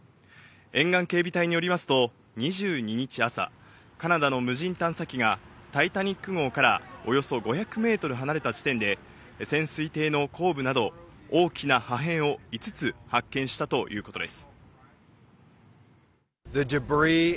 沿岸警備隊によりますと、２２日朝、カナダの無人探査機がタイタニック号からおよそ５００メートル離れた地点で潜水艇の後部など、大きな破片を５つ発見したということです。